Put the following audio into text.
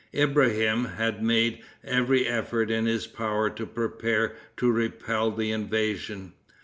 Ibrahim had made every effort in his power to prepare to repel the invasion.